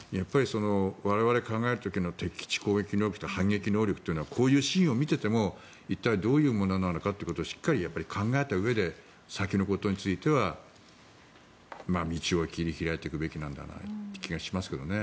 我々、考える時の敵基地攻撃能力と反撃能力というのはこういうシーンを見ていても一体、どういうことなのかというのはしっかり考えたうえで先のことについては道を切り開いていくべきだと思いますが。